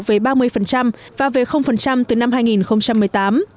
về ba mươi và về từ năm hai nghìn một mươi tám